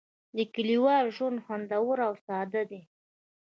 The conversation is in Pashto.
د کلیوال ژوند خوندور او ساده دی.